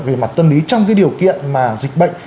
về mặt tâm lý trong cái điều kiện mà dịch bệnh